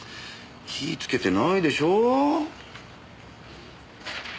火つけてないでしょ？